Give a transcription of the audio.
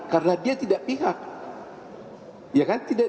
karena dia tidak pihak